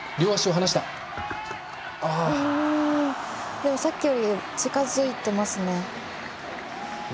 でも、さっきより近づいてますね。